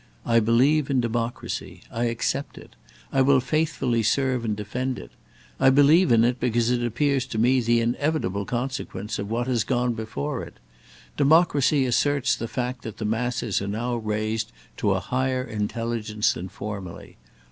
I believe in democracy. I accept it. I will faithfully serve and defend it. I believe in it because it appears to me the inevitable consequence of what has gone before it. Democracy asserts the fact that the masses are now raised to a higher intelligence than formerly.